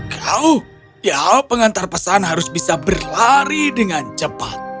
kau ya pengantar pesan harus bisa berlari dengan cepat